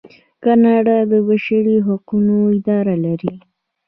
کاناډا د بشري حقونو اداره لري.